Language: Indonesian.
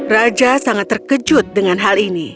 raja sangat terkejut dengan hal ini